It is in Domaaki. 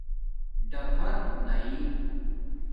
ڈَفَر لائئ